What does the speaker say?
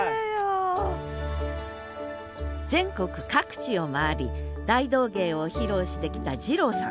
全国各地を回り大道芸を披露してきたジローさん。